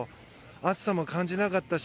暑さも感じなかったし